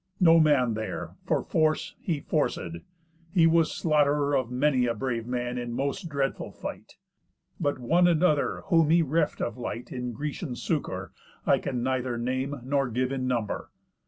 No man there, For force, he forcéd. He was slaughterer Of many a brave man in most dreadful fight. But one and other whom he reft of light, In Grecian succour, I can neither name, Nor give in number.